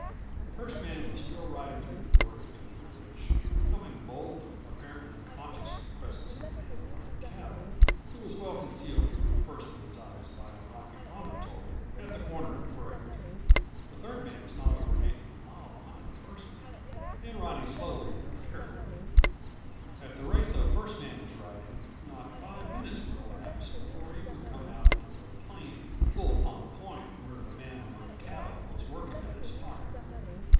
The first man was still riding through the break in the ridge, coming boldly, apparently unconscious of the presence of the man among the cattle, who was well concealed from the first man's eyes by a rocky promontory at the corner of the break. The third man was not over an eighth of a mile behind the first man, and riding slowly and carefully. At the rate the first man was riding not five minutes would elapse before he would come out into the plain full upon the point where the man among the cattle was working at his fire.